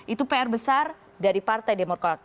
itu pr besar dari partai demokrat